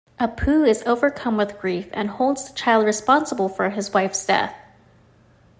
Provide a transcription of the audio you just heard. Apu is overcome with grief and holds the child responsible for his wife's death.